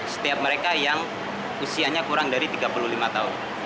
setiap mereka yang usianya kurang dari tiga puluh lima tahun